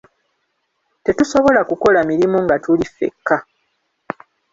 Tetusobola kukola mirimu nga tuli ffekka.